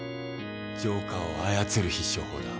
ジョーカーを操る必勝法だ。